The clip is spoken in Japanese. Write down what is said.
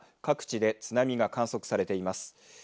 各地で津波が観測されています。